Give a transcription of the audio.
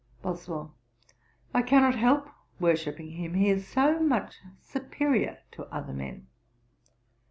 BOSWELL. 'I cannot help worshipping him, he is so much superiour to other men.'